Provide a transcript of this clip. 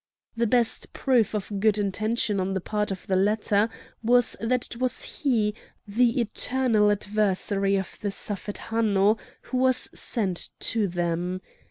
The best proof of good intention on the part of the latter was that it was he, the eternal adversary of the Suffet Hanno, who was sent to them.